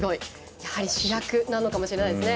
やはり主役なのかもしれないですね。